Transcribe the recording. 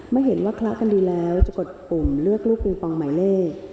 เมื่อเห็นว่าคละกันดีแล้วจะกดปุ่มเลือกลูกปิงปองหมายเลข